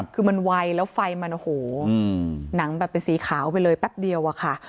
คือมันไวแล้วไฟมันโอ้โหหนังแบบเป็นสีขาวไปเลยแป๊บเดียวอะค่ะ